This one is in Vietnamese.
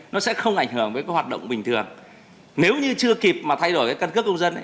nó sẽ không ảnh hưởng với cái hoạt động bình thường nếu như chưa kịp mà thay đổi cái căn cước công dân ấy